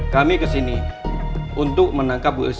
kami ke sini untuk menangkap bu esa